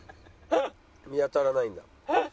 見当たらないんだ。